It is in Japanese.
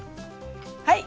はい。